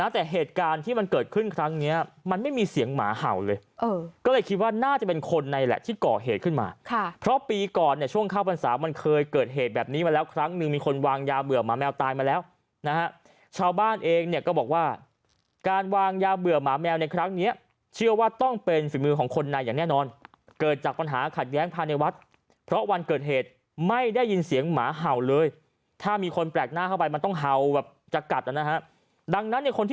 นะแต่เหตุการณ์ที่มันเกิดขึ้นครั้งเนี้ยมันไม่มีเสียงหมาเห่าเลยเออก็เลยคิดว่าน่าจะเป็นคนในแหละที่ก่อเหตุขึ้นมาค่ะเพราะปีก่อนเนี้ยช่วงข้าวพันธุ์สามมันเคยเกิดเหตุแบบนี้มาแล้วครั้งหนึ่งมีคนวางยาเบื่อหมาแมวตายมาแล้วนะฮะชาวบ้านเองเนี้ยก็บอกว่าการวางยาเบื่อหมาแมวในครั้งเนี้ยเชื่อว่าต